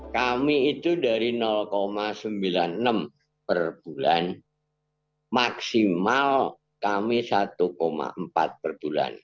kami itu dari sembilan puluh enam per bulan maksimal kami satu empat per bulan